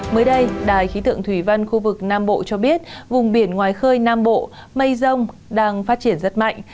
mới đây đài khí tượng thủy văn khu vực nam bộ cho biết vùng biển ngoài khơi nam bộ mây rông đang phát triển rất mạnh